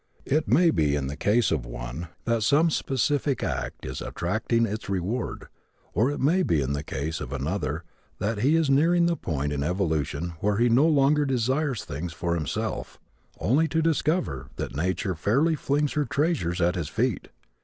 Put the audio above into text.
It may be in the case of one that some specific act is attracting its reward, or it may be in the case of another that he is nearing the point in evolution where he no longer desires things for himself, only to discover that nature fairly flings her treasures at his feet.